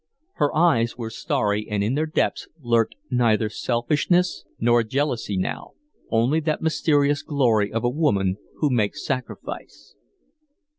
Her eyes were starry and in their depths lurked neither selfishness nor jealousy now, only that mysterious glory of a woman who makes sacrifice.